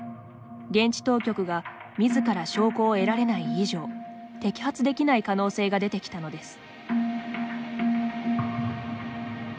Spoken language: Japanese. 現地当局がみずから証拠を得られない以上摘発できない可能性が出てきたのです。